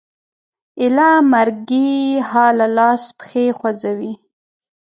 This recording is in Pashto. ایله مرګي حاله لاس پښې خوځوي